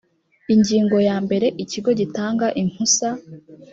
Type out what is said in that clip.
ingingo ya mbere ikigo gitanga impusa